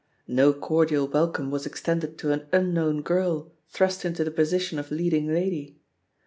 No cordial welcome was extended to an unknown girl thrust into the position of leading lady.